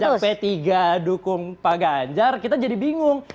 sampai tiga dukung pak ganjar kita jadi bingung